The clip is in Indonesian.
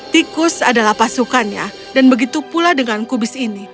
tikus adalah pasukannya dan begitu pula dengan kubis ini